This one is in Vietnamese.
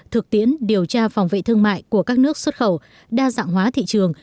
thực tiễn điều tra phòng vệ thương mại của các nước xuất khẩu đa dạng hóa thị trường